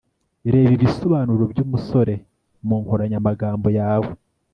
reba ibisobanuro by 'umusore' mu nkoranyamagambo yawe